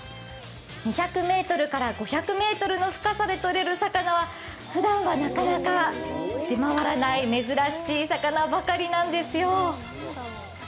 ２００ｍから５００ｍの深さでとれる魚は、ふだんはなかなか出回らない珍しい魚ばかりなんですよ。